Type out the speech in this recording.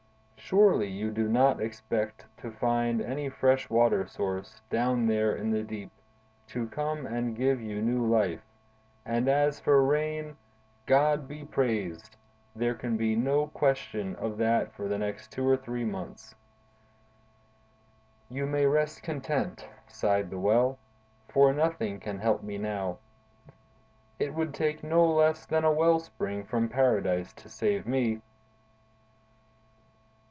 "Surely, you do not expect to find any fresh water source, down there in the deep, to come and give you new life; and as for rain—God be praised! there can be no question of that for the next two or three months." "You may rest content," sighed the Well, "for nothing can help me now. It would take no less than a well spring from Paradise to save me!"